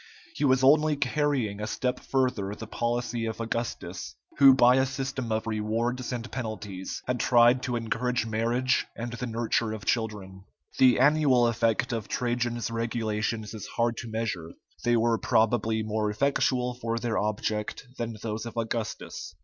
He was only carrying a step further the policy of Augustus, who by a system of rewards and penalties had tried to encourage marriage and the nurture of children. The annual effect of Trajan's regulations is hard to measure; they were probably more effectual for their object than those of Augustus.